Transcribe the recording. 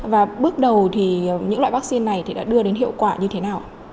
và bước đầu thì những loại vắc xin này thì đã đưa đến hiệu quả như thế nào